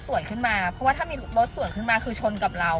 ส่วนขึ้นมาเพราะว่าถ้ามีรถสวนขึ้นมาคือชนกับเรา